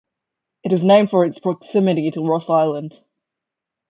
It is named for its proximity to Ross Island.